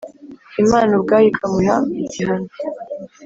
imana ubwayo ikamuha igihano.